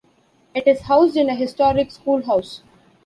It is housed in a historic schoolhouse.